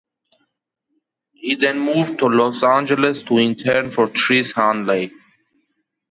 He then moved to Los Angeles to intern for Chris Hanley.